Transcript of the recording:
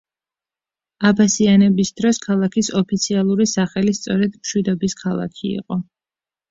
აბასიანების დროს ქალაქის ოფიციალური სახელი სწორედ მშვიდობის ქალაქი იყო.